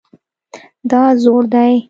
دا زوړ دی